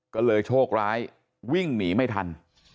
ก็เลยโชคร้ายวิ่งหนีไม่ทัน